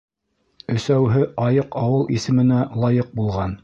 Өсәүһе «Айыҡ ауыл» исеменә лайыҡ булған.